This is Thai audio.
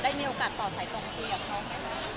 ได้มีโอกาสต่อใช้ต้องนี่กับเขาอย่างไร